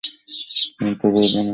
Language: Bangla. হুমম, তবে ইদানীং একটু একা লাগে।